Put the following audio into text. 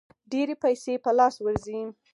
ډېرې پیسې په لاس ورځي.